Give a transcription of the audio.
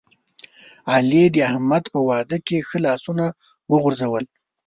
علی د احمد په واده کې ښه لاسونه وغورځول.